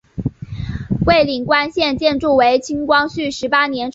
蔚岭关现建筑为清光绪十八年重建。